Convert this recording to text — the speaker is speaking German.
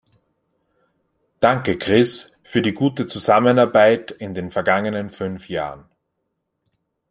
Danke, Chris, für die gute Zusammenarbeit in den vergangenen fünf Jahren.